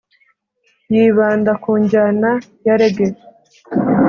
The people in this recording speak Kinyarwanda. yibanda ku njyana ya rege